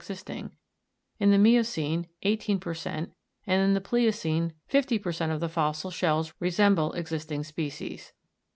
existing ; in the miocene, eighteen per cent., and in the pliocene fifty per cent, of the fossil shells resem ble existing species.